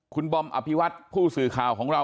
คุณบอมอภิวัตผู้สื่อข่าวของเรา